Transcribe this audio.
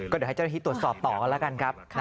เดี๋ยวให้เจ้าหน้าที่ตรวจสอบต่อกันแล้วกันครับ